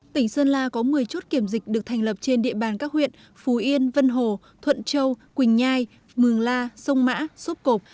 tỉnh sơn la có một mươi chốt kiểm dịch được thành lập trên địa bàn các huyện phú yên vân hồ thuận châu quỳnh nhai mường la sông mã sốt cộp